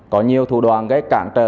có nhiều thủ đoàn gây cản trở